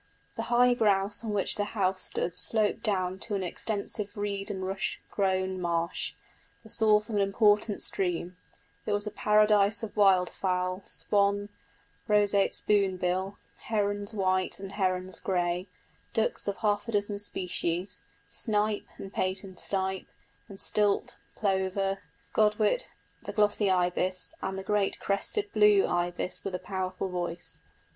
The high ground on which the house stood sloped down to an extensive reed and rush grown marsh, the source of an important stream; it was a paradise of wild fowl, swan, roseate spoonbill, herons white and herons grey, ducks of half a dozen species, snipe and painted snipe, and stilt, plover and godwit; the glossy ibis, and the great crested blue ibis with a powerful voice.